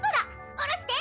下ろして。